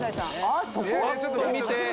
ちょっと見て。